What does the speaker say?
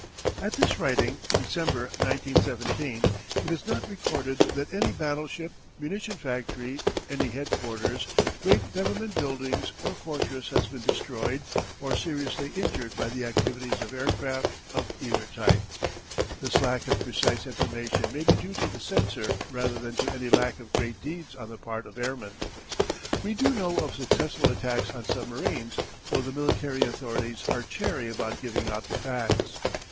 At this writing, December, 1917, it is not recorded that any battleship, munition factory, any headquarters, great government building, or fortress has been destroyed or seriously injured by the activities of aircraft of either type. This lack of precise information may be due to the censor rather than to any lack of great deeds on the part of airmen. We do know of successful attacks on submarines, though the military authorities are chary about giving out the facts.